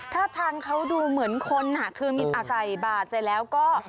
ถ้าช้างเขาดูเหมือนคนคือมีอาศัยบาทเสร็จแล้วก็